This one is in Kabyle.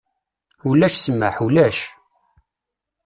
Ulac ssmaḥ, ulac!